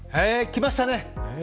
きましたね。